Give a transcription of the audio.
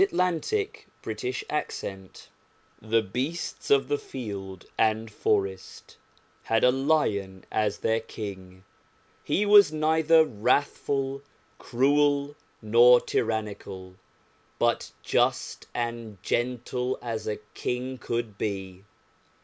The Kingdom of the Lion THE BEASTS of the field and forest had a Lion as their king. He was neither wrathful, cruel, nor tyrannical, but just and gentle as a king could be.